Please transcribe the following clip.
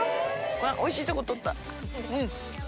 おいしいとこ取った。